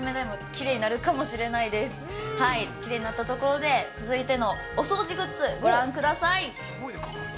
きれいになったところで続いてのお掃除グッズ、ご覧ください。